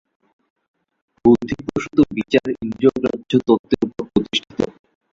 বুদ্ধিপ্রসূত বিচার ইন্দ্রিয়গ্রাহ্য তত্ত্বের উপর প্রতিষ্ঠিত।